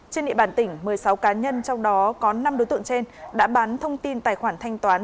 trên địa bàn tỉnh một mươi sáu cá nhân trong đó có năm đối tượng trên đã bán thông tin tài khoản thanh toán